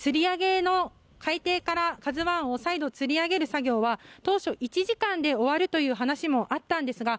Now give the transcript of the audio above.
海底から「ＫＡＺＵ１」を再度、つり上げる作業は当初、１時間で終わるという話もあったんですが